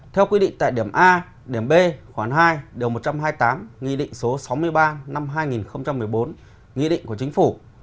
theo quy định tại điểm a điểm b khoảng hai điều một trăm hai mươi tám nghị định số sáu mươi ba năm hai nghìn một mươi bốn nghị định của chính phủ